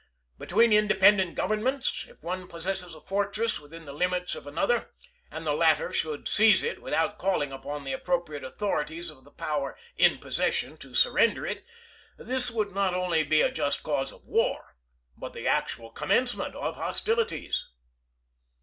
Between independent governments, if one possesses a fortress within the limits of another, and the latter should seize it without calling upon the appropriate authorities of the power in posses Curtis, 1 Life of ABRAHAM LINCOLN sion to surrender it, this would not only be a just cause of war, but the actual commencement of hostilities.